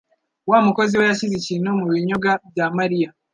Wa mukozi we yashyize ikintu mubinyobwa bya Mariya.